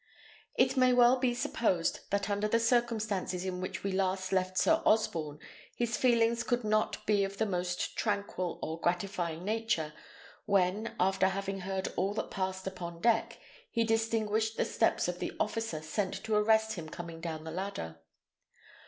It may well be supposed, that under the circumstances in which we last left Sir Osborne, his feelings could not be of the most tranquil or gratifying nature, when, after having heard all that passed upon deck, he distinguished the steps of the officer sent to arrest him coming down the ladder.